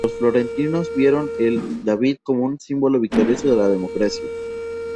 Los florentinos vieron el "David" como símbolo victorioso de la democracia.